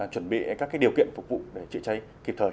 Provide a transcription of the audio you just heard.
chuẩn bị các điều kiện phục vụ để chữa cháy kịp thời